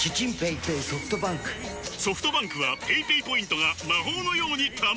ソフトバンクはペイペイポイントが魔法のように貯まる！